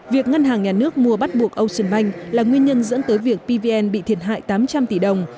việc ngân hàng nhà nước mua bắt buộc ocean bank là nguyên nhân dẫn tới việc pvn bị thiệt hại tám trăm linh tỷ đồng